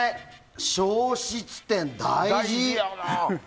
消失点、大事！